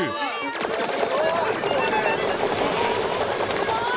すごい！